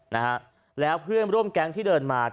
นะฮะแล้วเพื่อนร่วมแก๊งที่เดินมา